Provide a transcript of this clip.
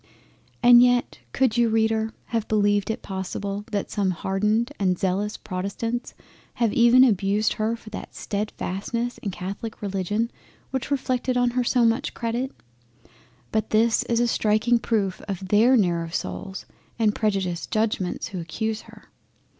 And yet could you Reader have beleived it possible that some hardened and zealous Protestants have even abused her for that steadfastness in the Catholic Religion which reflected on her so much credit? But this is a striking proof of their narrow souls and prejudiced Judgements who accuse her.